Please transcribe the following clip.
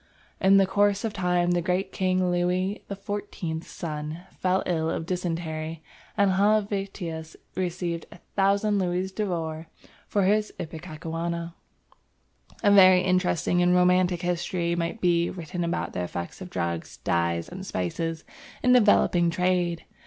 In the course of time the great King Louis XIV's son fell ill of dysentery, and Helvetius received 1000 louis d'or for his ipecacuanha. A very interesting and romantic history might be written about the effect of drugs, dyes, and spices in developing trade.